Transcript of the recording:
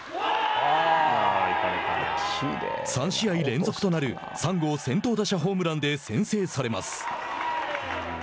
３試合連続となる３号先頭打者ホームランで先制されます。